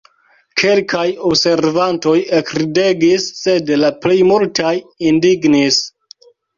Kelkaj observantoj ekridegis, sed la plej multaj indignis.